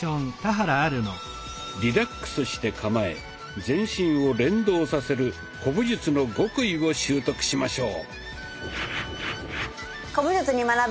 リラックスして構え全身を連動させる古武術の極意を習得しましょう。